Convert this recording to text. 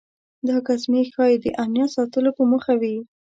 دا ګزمې ښایي د امنیت ساتلو په موخه وي.